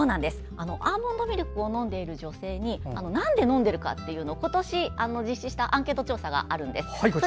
アーモンドミルクを飲んでいる女性になんで飲んでるかというのを今年、実施したアンケート調査があるんです。